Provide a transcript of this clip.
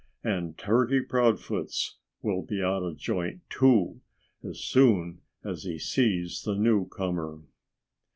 "And Turkey Proudfoot's will be out of joint too, as soon as he sees the newcomer."